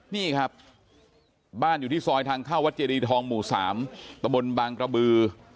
นี่ครับบ้านอยู่ที่ซอยทางเข้าวัดเจดีทองหมู่๓ตะบนบางกระบือ